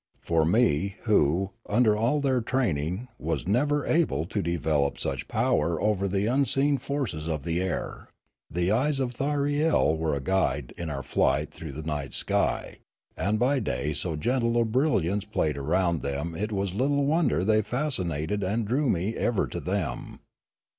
For me, who, under all their training, was never able to develop such power over the unseen forces of the air, the eyes of Thyriel were a guide in our flight through the night sky; and by day so gentle a brilliance played around them it was little wonder they fascinated and drew me ever to them.